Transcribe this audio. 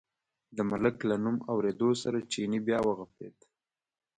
د ملک له نوم اورېدو سره چیني بیا و غپېد.